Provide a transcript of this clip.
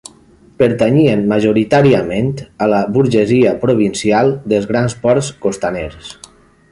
Pertanyien, majoritàriament, a la burgesia provincial dels grans ports costaners.